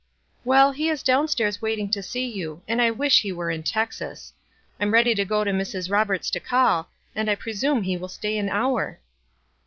"Well, he is down stairs waiting to see you, and I wish he were in Texas. I'm all ready to go to Mrs. Roberts' to call, and I presume he will stay an hour."